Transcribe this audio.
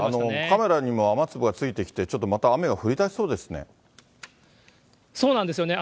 カメラにも雨粒がついてきて、ちょっとまた雨が降りだしそうでそうなんですよね。